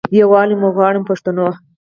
یووالی مو غواړم پښتنو.